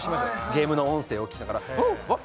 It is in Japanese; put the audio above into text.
ゲームの音声を聞きながらＷｏｏ！